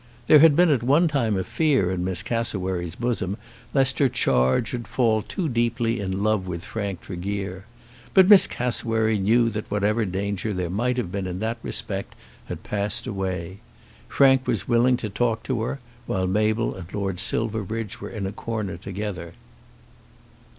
There had been at one time a fear in Miss Cassewary's bosom lest her charge should fall too deeply in love with Frank Tregear; but Miss Cassewary knew that whatever danger there might have been in that respect had passed away. Frank was willing to talk to her, while Mabel and Lord Silverbridge were in a corner together.